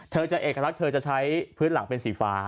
เธอจะเอกลักษณ์เธอจะใช้พื้นหลังเป็นสีฟ้า